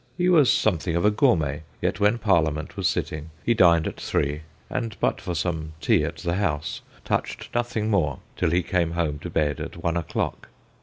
He was something of a gourmet, yet when Parliament was sitting he dined at three, and but for some tea at PAM 137 the House touched nothing more till he came home to bed at one o'clock.